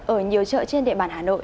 ở nhiều chợ trên địa bàn hà nội